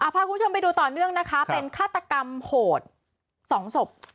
พาคุณผู้ชมไปดูต่อเนื่องนะคะเป็นฆาตกรรมโหด๒ศพ